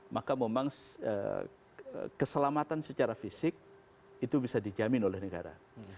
maka memang keselamatan secara fisik itu bisa dijamin oleh negara